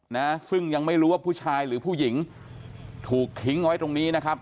นะซึ่งยังไม่รู้ว่าผู้ชายหรือผู้หญิงถูกทิ้งไว้ตรงนี้นะครับ